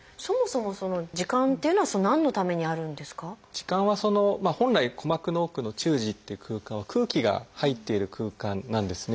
耳管は本来鼓膜の奥の中耳っていう空間は空気が入っている空間なんですね。